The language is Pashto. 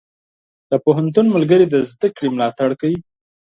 د پوهنتون ملګري د زده کړې ملاتړ کوي.